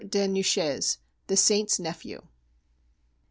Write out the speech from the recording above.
de Neuchèze, the Saint's nephew.